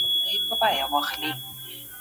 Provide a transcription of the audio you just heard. په دغه غونډۍ کي بازان خپل ځالي البوځي.